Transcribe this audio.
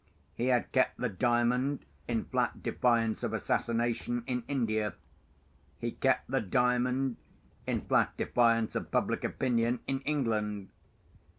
He had kept the Diamond, in flat defiance of assassination, in India. He kept the Diamond, in flat defiance of public opinion, in England.